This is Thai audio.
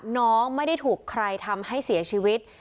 น้องไม่ได้ถูกใครทำให้เสียชีวิต